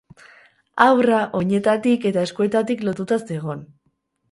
Haurra, oinetatik eta eskuetatik lotuta zegon.